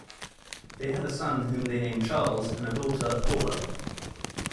They had a son whom they named Charles, and a daughter, Paulla.